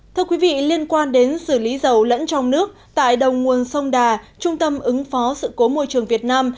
thưa quý vị liên quan đến xử lý dầu lẫn trong nước tại đầu nguồn sông đà trung tâm ứng phó sự cố môi trường việt nam